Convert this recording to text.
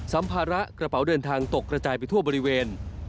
สัมภาระกระเป๋าเดินทางตกกระจายไปทั่วบริเวณ